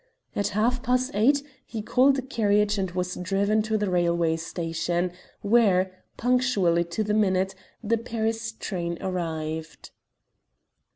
At half past eight he called a carriage and was driven to the railway station, where, punctually to the minute, the Paris train arrived.